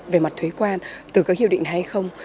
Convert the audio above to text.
về mặt thuế quan từ các hiệp định hay không